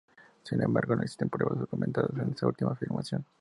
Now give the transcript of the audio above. Sin embargo, no existen pruebas documentadas de esta última afirmación.